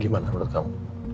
gimana menurut kamu